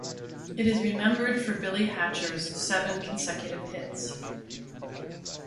It is remembered for Billy Hatcher's seven consecutive hits.